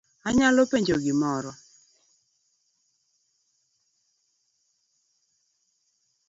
Anyalo penjo gimoro?